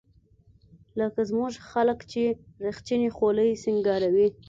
لکه زموږ خلق چې رخچينې خولۍ سينګاروي.